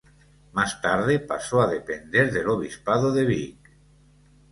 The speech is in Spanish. Más tarde pasó a depender del obispado de Vich.